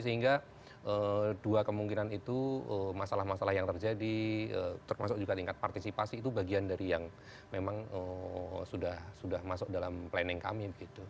sehingga dua kemungkinan itu masalah masalah yang terjadi termasuk juga tingkat partisipasi itu bagian dari yang memang sudah masuk dalam planning kami